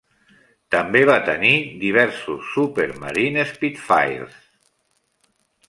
També va tenir diversos Supermarine Spitfires.